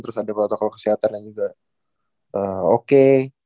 terus ada protokol kesehatan yang juga oke